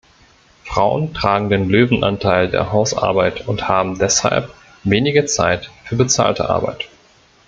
Frauen tragen den Löwenanteil der Hausarbeit und haben deshalb weniger Zeit für bezahlte Arbeit.